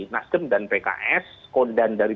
nasdem dan pks kodan dari